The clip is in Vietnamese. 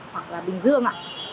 hoặc là bình dương